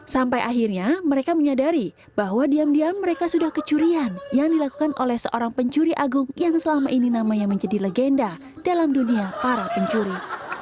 sampai akhirnya mereka menyadari bahwa diam diam mereka sudah kecurian yang dilakukan oleh seorang pencuri agung yang selama ini namanya menjadi legenda dalam dunia para pencuri